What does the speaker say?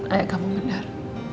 ayah kamu benar